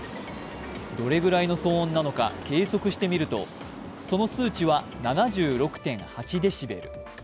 どれぐらいの騒音なのか計測してみるとその数値は７６．８デシベル。